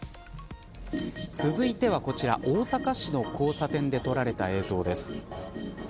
続いてはこちら大阪市の交差点で撮られた映像です。